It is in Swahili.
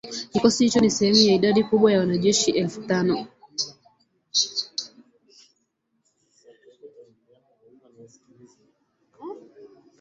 Na ushindani barani huko na kote duniani